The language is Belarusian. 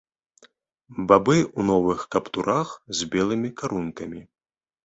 Бабы ў новых каптурах з белымі карункамі.